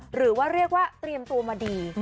หรือว่าเรียกว่าเตรียมตัวมาดี